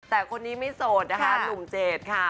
แต่คนนี้ไม่โสดนะคะหนุ่มเจดค่ะ